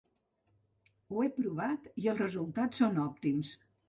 Ho he provat i els resultats són òptims.